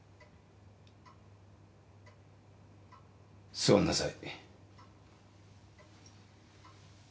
座んなさい。